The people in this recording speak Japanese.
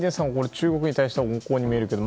中国に対しては温厚に見えますよね